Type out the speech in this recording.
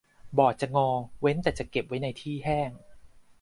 บอร์ดจะงอเว้นแต่เก็บไว้ในที่แห้ง